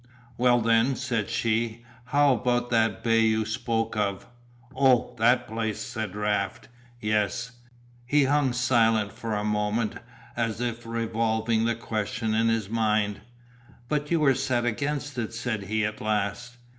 "Well, then," said she, "how about that bay you spoke of?" "Oh, that place," said Raft. "Yes." He hung silent for a moment as if revolving the question in his mind. "But you were set against it," said he at last.